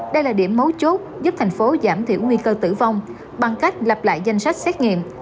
đây là điểm mấu chốt giúp thành phố giảm thiểu nguy cơ tử vong bằng cách lập lại danh sách xét nghiệm